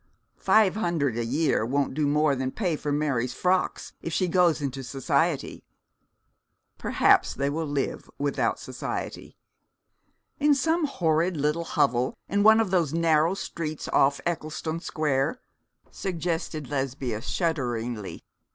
Five hundred a year won't do more than pay for Mary's frocks, if she goes into society.' 'Perhaps they will live without society.' 'In some horrid little hovel in one of those narrow streets off Ecclestone Square,' suggested Lesbia, shudderingly.